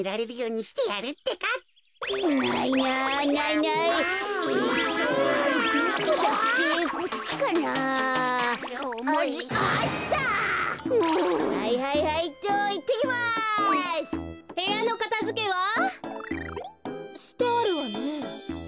してあるわね。